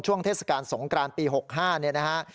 เทศกาลสงกรานปี๖๕เนี่ยนะฮะ